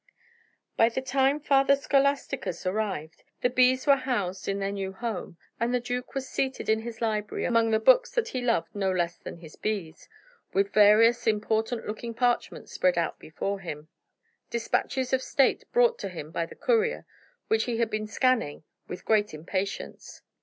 By the time Father Scholasticus arrived, the bees were housed in their new home, and the duke was seated in his library, among the books that he loved no less than his bees, with various important looking parchments spread out before him: despatches of state brought to him by the courier, which he had been scanning with great impatience.